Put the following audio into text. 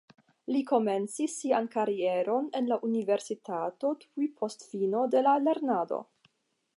Li komencis sian karieron en la universitato tuj post fino de la lernado.